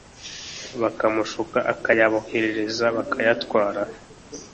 bakamushuka akayaboherereza bakayatwara